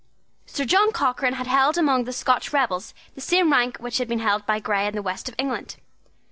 Sir John Cochrane had held among the Scotch rebels the same rank which had been held by Grey in the West of England.